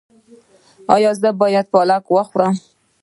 ایا زه باید پالک وخورم؟